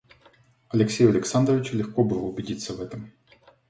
Алексею Александровичу легко было убедиться в этом.